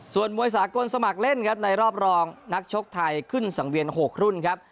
ส่วนมวยสากลสมัครเล่นครับในรอบรองนักชกไทยขึ้นสังเวียน๖รุ่นครับ